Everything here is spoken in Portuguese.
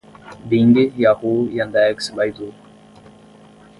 Bing, Yahoo, Yandex, Baidu